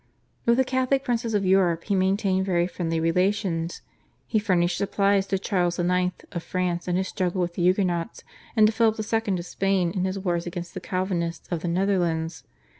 With the Catholic princes of Europe he maintained very friendly relations. He furnished supplies to Charles IX. of France in his struggle with the Huguenots, and to Philip II. of Spain in his wars against the Calvinists of the Netherlands.